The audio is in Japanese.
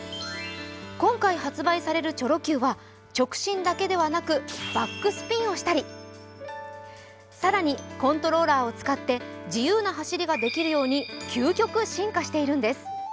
今回発売されるチョロＱは直進だけではなくバックスピンをしたり、更にコントローラーを使って自由な走りができるように究極進化しているんです。